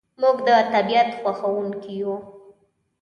موږ د طبیعت خوښونکي یو.